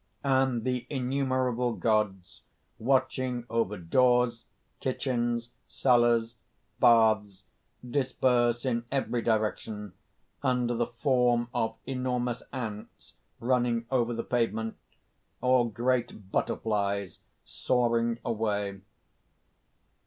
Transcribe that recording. (_And the innumerable gods, watching over doors, kitchens, cellars, baths, disperse in every direction under the form of enormous ants running over the pavement, or great butterflies soaring away.